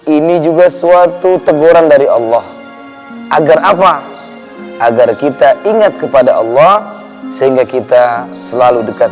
ini juga suatu teguran dari allah agar apa agar kita ingat kepada allah sehingga kita selalu dekat